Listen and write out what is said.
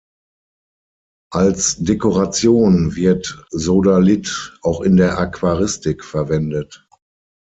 Als Dekoration wird Sodalith auch in der Aquaristik verwendet.